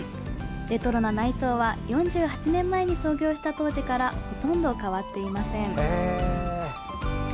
レトロな内装は４８年前に創業した当時からほとんど変わっていません。